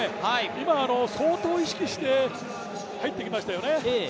今、相当意識して入ってきましたよね。